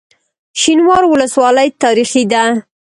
شینوارو ولسوالۍ تاریخي ده؟